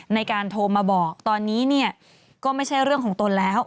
ในการโทรมาบอกตอนนี้เนี่ยก็ไม่ใช่เรื่องของตนแล้ว